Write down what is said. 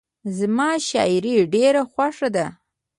زما شاعري ډېره خوښه ده.